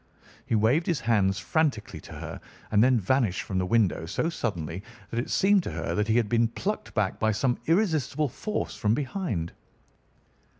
He waved his hands frantically to her, and then vanished from the window so suddenly that it seemed to her that he had been plucked back by some irresistible force from behind.